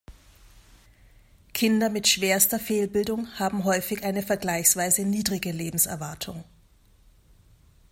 Kinder mit schwerster Fehlbildung haben häufig eine vergleichsweise niedrige Lebenserwartung.